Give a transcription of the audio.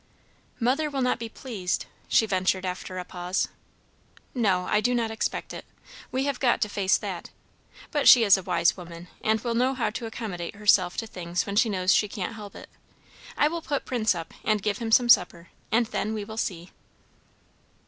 "Mother will not be pleased," she ventured after a pause. "No, I do not expect it. We have got to face that. But she is a wise woman, and will know how to accommodate herself to things when she knows she can't help it. I will put Prince up and give him some supper, and then we will see."